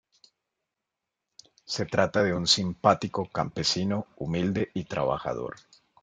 Se trata de un simpático campesino, humilde y trabajador.